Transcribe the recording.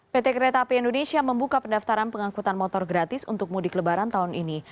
pt kereta api indonesia membuka pendaftaran pengangkutan motor gratis untuk mudik lebaran tahun ini